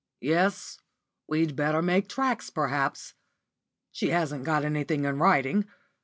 Yes, we'd better make tracks, perhaps. She hasn't got anything in writing.